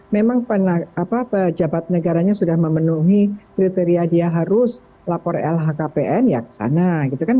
memang pejabat negaranya sudah memenuhi kriteria dia harus lapor lhkpn ya ke sana gitu kan